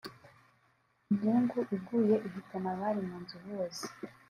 intengu iguye ihitana abari mu nzu bose